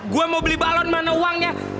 gue mau beli balon mana uangnya